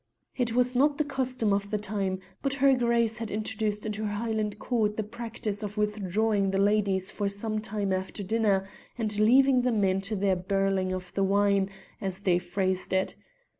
It was not the custom of the time, but her Grace had introduced into her Highland court the practice of withdrawing the ladies for some time after dinner, and leaving the men to their birling of the wine, as they phrased it.